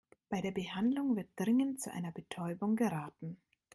Bei der Behandlung wird dringend zu einer Betäubung geraten.